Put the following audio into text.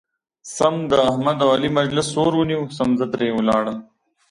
سم د احمد او علي مجلس سور ونیو سم زه ترې ولاړم.